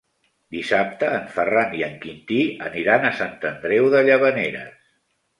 Dissabte en Ferran i en Quintí aniran a Sant Andreu de Llavaneres.